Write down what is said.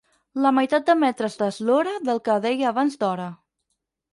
La meitat de metres d'eslora del que deia abans d'hora.